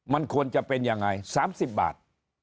มันควรจะเป็นยังไง๓๐บาท